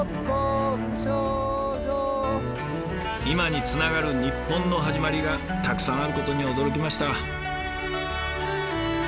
今につながる日本の始まりがたくさんあることに驚きました。